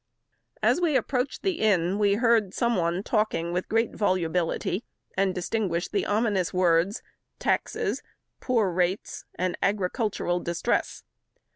As we approached the inn, we heard some one talking with great volubility, and distinguished the ominous words "taxes," "poor's rates," and "agricultural distress."